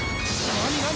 何？